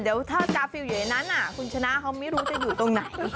เดี๋ยวถ้ากาฟิลอยู่ในนั้นคุณชนะเขาไม่รู้จะอยู่ตรงไหน